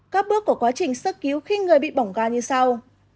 các bước của quá trình sơ cứu khi người bị bỏng gà như sau